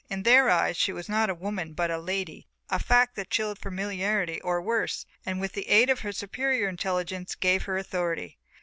In their eyes she was not a woman, but a lady, a fact that chilled familiarity, or worse, and, with the aid of her superior intelligence, gave her authority.